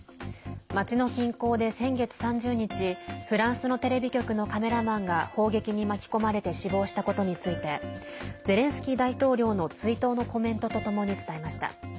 町の近郊で先月３０日フランスのテレビ局のカメラマンが砲撃に巻き込まれて死亡したことについてゼレンスキー大統領の追悼のコメントとともに伝えました。